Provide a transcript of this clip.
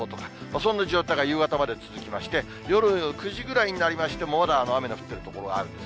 そんな状態が夕方まで続きまして、夜９時ぐらいになりましても、まだ雨の降っている所があるんです。